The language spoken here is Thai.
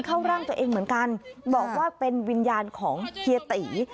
เข้าร่างตัวเองเหมือนกันบอกว่าเป็นวิญญาณของเฮียตี